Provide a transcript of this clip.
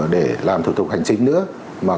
để làm thủ tục hành chính nữa